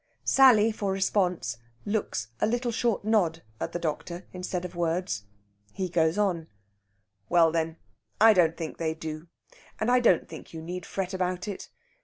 Sally, for response, looks a little short nod at the doctor, instead of words. He goes on: "Well, then, I don't think they do. And I don't think you need fret about it.